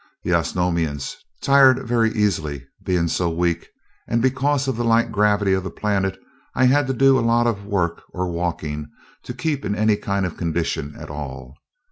The Osnomians tired very easily, being so weak, and because of the light gravity of the planet, I had to do a lot of work or walking to keep in any kind of condition at all.